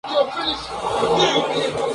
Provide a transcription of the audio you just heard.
España es un país receptor de heroína.